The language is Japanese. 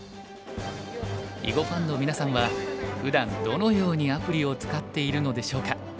囲碁ファンのみなさんはふだんどのようにアプリを使っているのでしょうか。